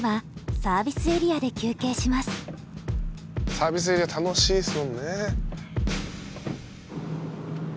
サービスエリア楽しいっすもんね。